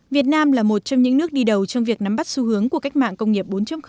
việt nam là một trong những nước đi đầu trong việc nắm bắt xu hướng của cách mạng công nghiệp bốn